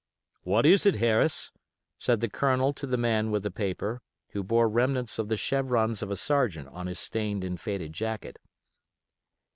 "What is it, Harris?" said the Colonel to the man with the paper, who bore remnants of the chevrons of a sergeant on his stained and faded jacket.